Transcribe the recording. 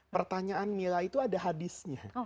pertanyaan mila itu ada hadisnya